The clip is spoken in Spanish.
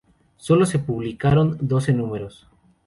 Solo se publicaron doce números.